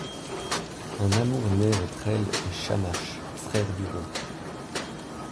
Un amour naît entre elle et Shammash, frère du roi.